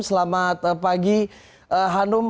selamat pagi hanum